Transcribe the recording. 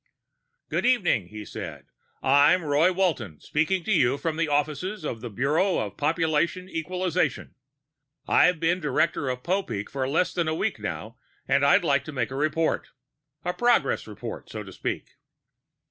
"Good evening," he said. "I'm Roy Walton, speaking to you from the offices of the Bureau of Population Equalization. I've been director of Popeek for a little less than a week, now, and I'd like to make a report a progress report, so to speak.